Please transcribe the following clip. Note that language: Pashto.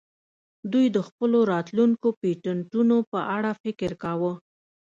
دوی د خپلو راتلونکو پیټینټونو په اړه فکر کاوه